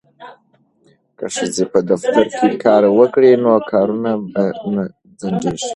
که ښځې په دفترونو کې کار وکړي نو کارونه به نه ځنډیږي.